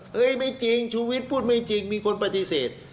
เฮ้ยไม่จริงชุวิตพูดไม่จริงมีคนปฏิเสธ